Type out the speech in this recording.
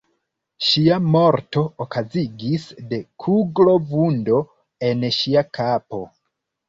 Ŝia morto okazigis de kuglo-vundo en ŝia kapo.